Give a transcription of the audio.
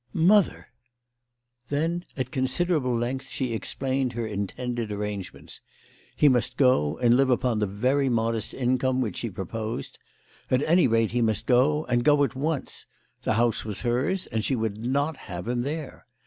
" Mother !" Then, at considerable length, she explained her intended arrangements. He must go, and live upon the very modest income which she proposed. At any rate he must go, and go at once. The house was hers, and she would not have him there.